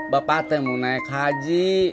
bapak temu naik haji